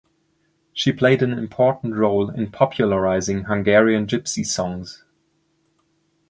She played an important role in popularizing Hungarian gypsy songs.